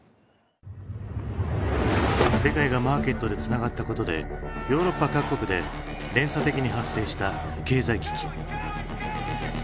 世界がマーケットでつながったことでヨーロッパ各国で連鎖的に発生した経済危機。